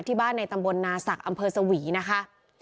ที่บ้านในตำบลนาศักดิ์อำเภอสวีนะคะ